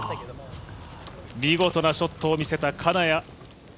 見事なショットを見せた金谷。